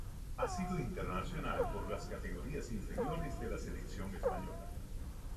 Ha sido internacional por las categorías inferiores de la selección española.